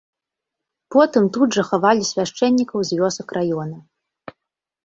Потым тут жа хавалі свяшчэннікаў з вёсак раёна.